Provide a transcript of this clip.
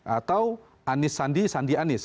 atau anis sandi sandi anis